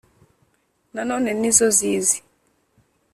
Na none ni zo zizi,